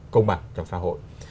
công bằng trong xã hội